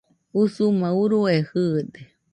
Usuma urue jɨɨde